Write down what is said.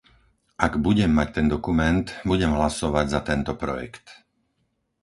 Ak budem mať ten dokument, budem hlasovať za tento projekt.